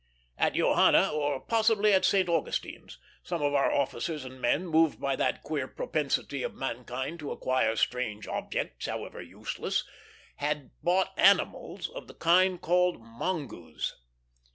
At Johanna, or possibly at St. Augustine's, some of our officers and men, moved by that queer propensity of mankind to acquire strange objects, however useless, had bought animals of the kind called mongoos.